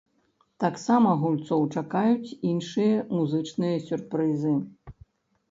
Таксама гульцоў чакаюць іншыя музычныя сюрпрызы.